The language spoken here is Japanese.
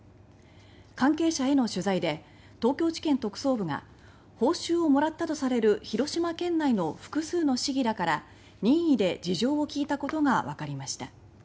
関係者への取材で東京地検特捜部が報酬をもらったとされる広島県内の複数の市議らから任意で事情を聞いたことがわかりました。